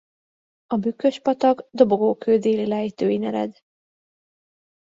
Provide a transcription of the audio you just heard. A Bükkös-patak Dobogó-kő déli lejtőin ered.